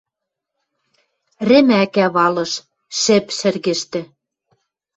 Рӹмӓкӓ валыш. Шӹп шӹргӹштӹ.